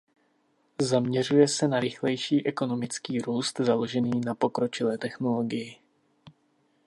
Zaměřuje se na rychlejší ekonomický růst založený na pokročilé technologii.